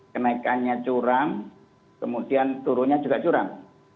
kenaikannya curam kemudian turunnya juga curam